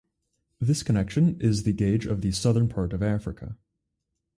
This connection is the gauge of the southern part of Africa.